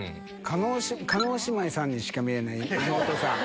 叶姉妹さんにしか見えない妹さん。